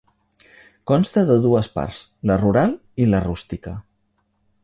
Consta de dues parts: la rural i la rústica.